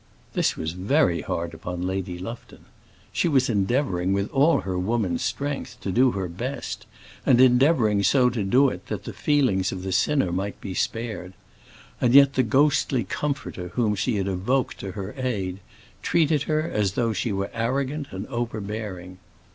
This was very hard upon Lady Lufton. She was endeavouring with all her woman's strength to do her best, and endeavouring so to do it that the feelings of the sinner might be spared; and yet the ghostly comforter whom she had evoked to her aid, treated her as though she were arrogant and overbearing.